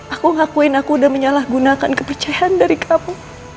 aku ngakuin aku udah menyalahgunakan kepercayaan dari kamu